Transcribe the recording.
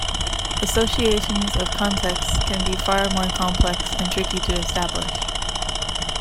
Associations of contexts can be far more complex and tricky to establish.